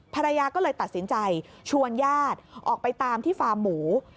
ภรรยาก็เลยตัดสินใจชวนญาติออกไปตามที่ฟาร์มหมู